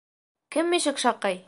Кем ишек шаҡый?